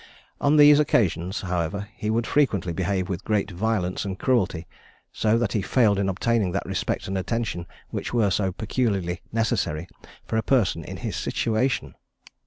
On these occasions, however, he would frequently behave with great violence and cruelty, so that he failed in obtaining that respect and attention which were so peculiarly necessary for a person in his situation.